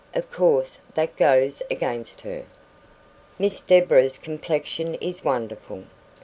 Of course, that goes against her." "Miss Deborah's complexion is wonderful."